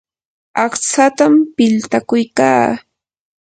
aqtsatam piltakuykaa.